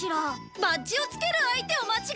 バッジを付ける相手を間違えた！